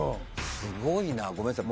すごいなごめんなさい